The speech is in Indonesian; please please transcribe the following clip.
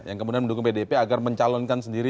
yang kemudian mendukung pdip agar mencalonkan sendiri